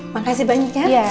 makasih banyak ya